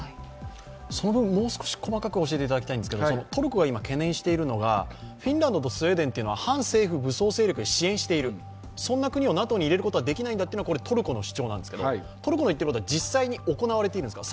その部分、もう少し細かく教えていただきたいんですけどトルコが今、懸念しているのがフィンランドとスウェーデンというのは反政府武装勢力を支援している、そんな国をＮＡＴＯに入れることはできないんだとこれトルコの主張ですが、トルコの行っていることは実際行われているんですか？